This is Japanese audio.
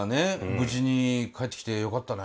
無事に帰ってきてよかったね。